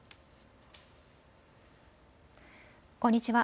こんにちは。